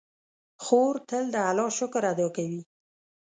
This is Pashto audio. خور تل د الله شکر ادا کوي.